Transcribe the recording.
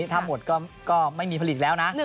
ถ้าหมดก็ไม่มีผลิตแล้วนะ